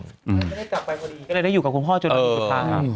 ก็ได้กลับไปพอดีก็ได้อยู่กับคุณพ่อจนดีกว่าพ่อ